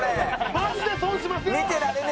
マジで損しますよ！